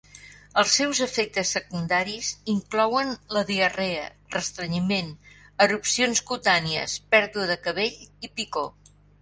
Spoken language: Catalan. Els seus efectes secundaris inclouen la diarrea, restrenyiment, erupcions cutànies, pèrdua de cabell i picor.